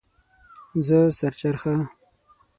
زه سر چرخه